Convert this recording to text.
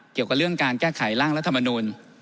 เกี่ยวกับเรื่องการแก้ไขร่างรัฐมนูล